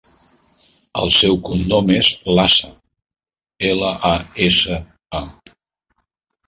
El seu cognom és Lasa: ela, a, essa, a.